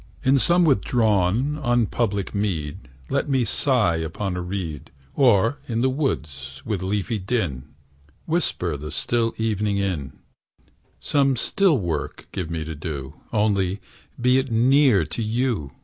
In some withdrawn, unpublic mead Let me sigh upon a reed, Or in the woods, with leafy din, Whisper the still evening in: Some still work give me to do, Only be it near to you!